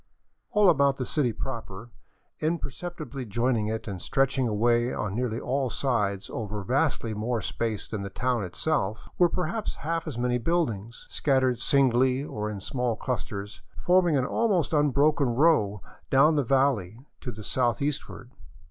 All about the city proper, imperceptibly joining it and stretching away on nearly all sides over vastly more space than the town itself, were perhaps half as many buildings, scattered singly or in small clus ters, forming an almost unbroken row down the valley to the south eastward.